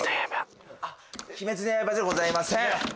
『鬼滅の刃』じゃございません。